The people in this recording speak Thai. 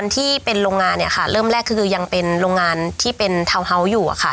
ที่เป็นโรงงานเนี่ยค่ะเริ่มแรกคือยังเป็นโรงงานที่เป็นทาวน์เฮาส์อยู่อะค่ะ